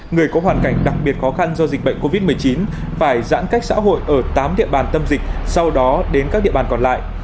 người có hoàn cảnh đặc biệt khó khăn do dịch bệnh covid một mươi chín phải giãn cách xã hội ở tám địa bàn tâm dịch sau đó đến các địa bàn còn lại